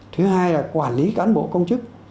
thứ hai là quản lý cán bộ công chức